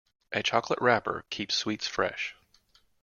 A chocolate wrapper keeps sweets fresh.